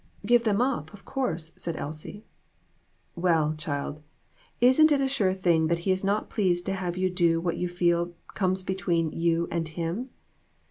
" Give them up, of course, " said Elsie. "Well, child, isn't it a sure thing that he is not pleased to have you do what you feel comes be tween you and him